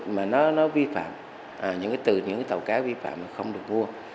mà nó vi phạm những cái từ những cái tàu cá vi phạm mà không được mua